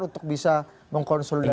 untuk bisa mengkonsolidasi